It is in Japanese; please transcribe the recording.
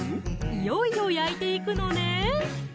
いよいよ焼いていくのね